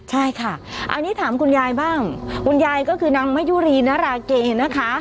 ใช่ค่ะอันนี้ถามคุณยายบ้างคุณยายก็คือนางมะยุรีนาราเกนะคะ